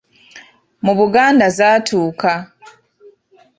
Mu Buganda zaatuuka.